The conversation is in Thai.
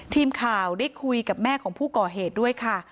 ทีมข่าวได้คุยกับแม่ของผู้ก่อเหตุด้วยค่ะ